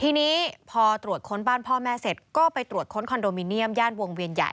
ทีนี้พอตรวจค้นบ้านพ่อแม่เสร็จก็ไปตรวจค้นคอนโดมิเนียมย่านวงเวียนใหญ่